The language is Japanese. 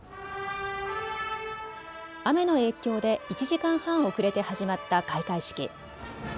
雨の影響で１時間半遅れて始まった開会式。